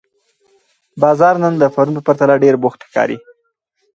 بازار نن د پرون په پرتله ډېر بوخت ښکاري